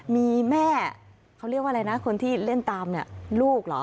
มีแม่เขาเรียกว่าอะไรนะคนที่เล่นตามเนี่ยลูกเหรอ